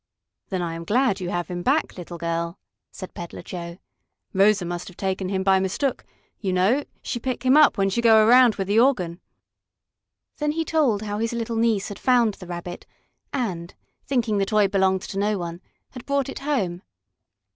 "Then I am glad you have him back, little girl," said Peddler Joe. "Rosa must have take him by mistook, you know she pick him up when she go around with the organ." Then he told how his little niece had found the Rabbit, and, thinking the toy belonged to no one, had brought it home.